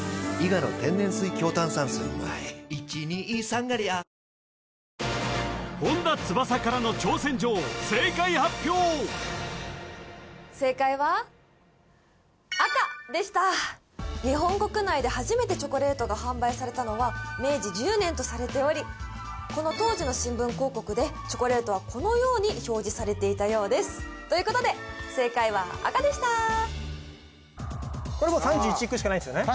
サントリー「セサミン」本田翼からの挑戦状正解発表正解は赤でした日本国内で初めてチョコレートが販売されたのは明治１０年とされておりこの当時の新聞広告でチョコレートはこのように表示されていたようですということで正解は赤でしたこれもう３１いくしかないんですよね